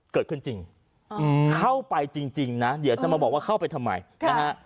เกิดขึ้นจริงเข้าไปจริงนะเดี๋ยวจะมาบอกว่าเข้าไปทำไมนะฮะ